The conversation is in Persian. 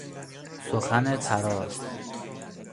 سخن طراز